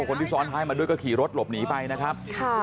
คนที่ซ้อนท้ายมาด้วยก็ขี่รถหลบหนีไปนะครับ